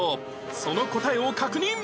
その答えを確認！